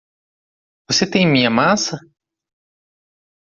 Você tem minha massa?